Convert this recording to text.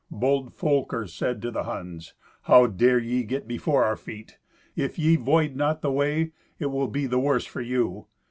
Bold Folker said to the Huns, "How dare ye get before our feet? If ye void not the way, it will be the worse for you.